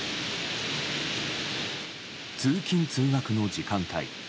通勤・通学の時間帯。